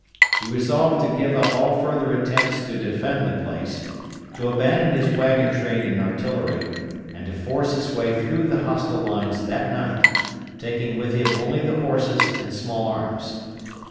He resolved to give up all further attempts to defend the place, to abandon his wagon train and artillery, and to force his way through the hostile lines that night; taking with him only the horses and small arms.